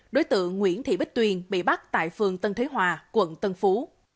đối tượng nguyễn thị bích tuyền bị bắt tại phường tân thế hòa quận tân phú